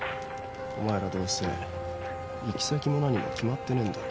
お前らどうせ行き先も何も決まってねえんだろ？